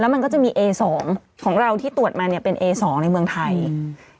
มันก็จะมีเอสองของเราที่ตรวจมาเนี้ยเป็นเอสองในเมืองไทยอืม